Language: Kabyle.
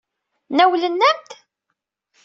Nawlen-am-d?